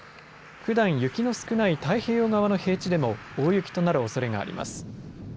ふだん雪の少ない太平洋側の平地でも大雪となるおそれがあります。